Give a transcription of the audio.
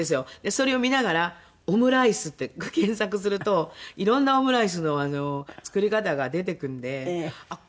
それを見ながら「オムライス」って検索するといろんなオムライスの作り方が出てくるのであっ